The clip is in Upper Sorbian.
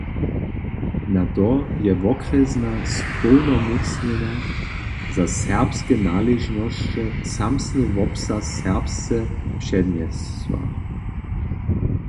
Na to je wokrjesna społnomócnjena za serbske naležnosće samsny wobsah serbsce přednjesła.